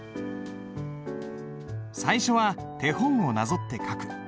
最初は手本をなぞって書く。